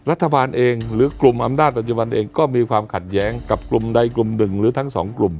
รัฐบาลเองหรือกลุ่มอำนาจปัจจุบันเองก็มีความขัดแย้งกับกลุ่มใดกลุ่มหนึ่งหรือทั้งสองกลุ่ม